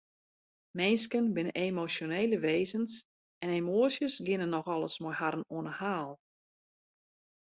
Minsken binne emosjonele wêzens en emoasjes geane nochal ris mei harren oan 'e haal.